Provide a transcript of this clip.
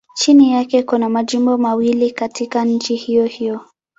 Chini yake kuna majimbo mawili katika nchi hiyohiyo.